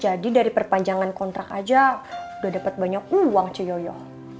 tadi dari perpanjangan kontrak aja udah dapet banyak uang ciyoyo